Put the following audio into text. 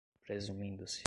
presumindo-se